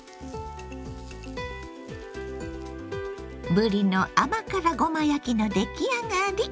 ぶりの甘辛ごま焼きの出来上がり！